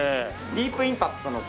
ディープインパクトの子供。